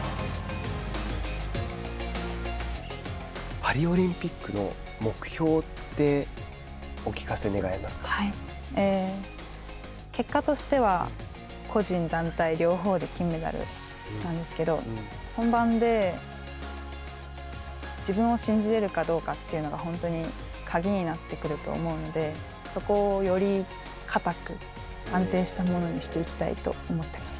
パリオリンピックの目標って結果としては個人、団体の両方で金メダルなんですけど本番で自分を信じられるかどうかというのが本当に鍵になってくると思うんでそこをよりかたく安定したものにしていきたいと思ってます。